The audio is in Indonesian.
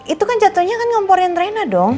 itu kan jatuhnya kan ngomporin rena dong